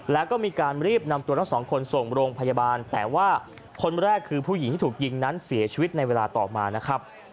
แล้วก็มีการรีบนำตัวทั้งสองคนส่งโรงพยาบาลแต่ว่าคนแรกคือผู้หญิงที่ถูกยิงนั้นเสียชีวิตในเวลาต่อมานะครับ